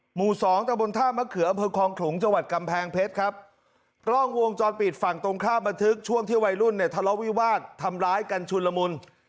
หมู่สองตะบนท่ามะเขืออำเภอคลองขลุงจังหวัดกำแพงเพชรครับกล้องวงจรปิดฝั่งตรงข้ามบันทึกช่วงที่วัยรุ่นเนี่ยทะเลาะวิวาสทำร้ายกันชุนละมุน